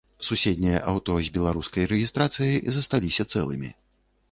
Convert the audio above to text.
Суседнія аўто з беларускай рэгістрацыяй засталіся цэлымі.